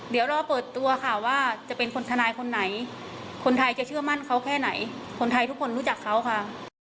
เดี๋ยวรอเปิดตัวค่ะว่าจะเป็นคนทนายคนไหนคนไทยจะเชื่อมั่นเขาแค่ไหนคนไทยทุกคนรู้จักเขาค่ะ